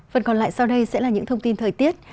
phần còn lại sau đây sẽ là những thông tin thời tiết